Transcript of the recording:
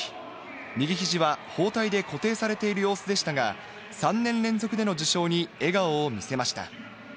右肘は包帯で固定されている様子でしたが、３年連続での受賞に笑顔を見せました。